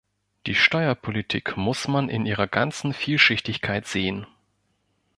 Die Steuerpolitik muss man in ihrer ganzen Vielschichtigkeit sehen.